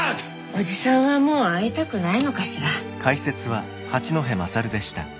おじさんはもう会いたくないのかしら。